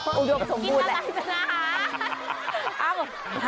โอ้โหบ้านคุณกินตาไซส์นะฮะ